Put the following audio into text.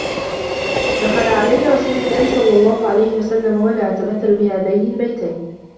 دَخَلَ عَلَيَّ رَسُولُ اللَّهِ صَلَّى اللَّهُ عَلَيْهِ وَسَلَّمَ وَأَنَا أَتَمَثَّلُ بِهَذَيْنِ الْبَيْتَيْنِ